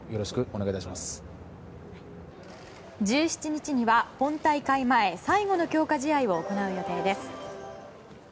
１７日には本大会前最後の強化試合を行う予定です。